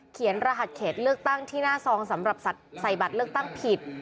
รหัสเขตเลือกตั้งที่หน้าซองสำหรับสัตว์ใส่บัตรเลือกตั้งผิด